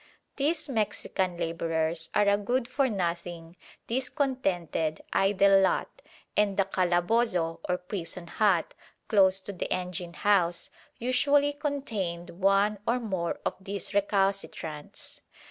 These Mexican labourers are a good for nothing, discontented, idle lot, and the calabozo, or prison hut, close to the engine house, usually contained one or more of these recalcitrants.